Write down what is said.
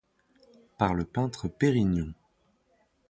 par le peintre Pérignon.